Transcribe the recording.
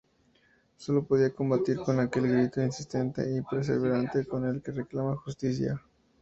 Solo podía combatir con aquel grito insistente y perseverante con el que reclamaba justicia.